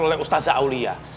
oleh ustadz aulia